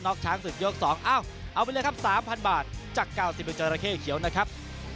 น้องช้างสุดยก๒เอ้าเอาไปเลยครับ๓๐๐๐บาทจาก๙๑จราเข้เขียวนะครับ